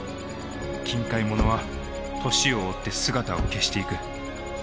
近海ものは年を追って姿を消していく。